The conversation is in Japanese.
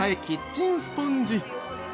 キッチンスポンジ。